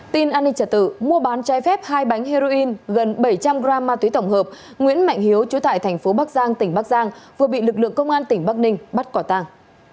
tin an ninh trả tự mua bán trái phép hai bánh heroin gần bảy trăm linh g ma túy tổng hợp nguyễn mạnh hiếu chú tại thành phố bắc giang tỉnh bắc giang vừa bị lực lượng công an tỉnh bắc ninh bắt quả tàng